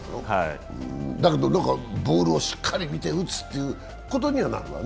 だけど、ボールをしっかり見て打つということにはなるわね。